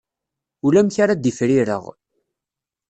Ulamek ara d-ifrireɣ.